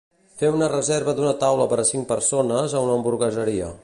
Fer una reserva d'una taula per a cinc persones a una hamburgueseria.